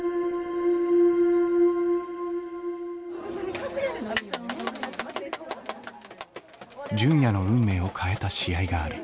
一個先を見て純也の運命を変えた試合がある。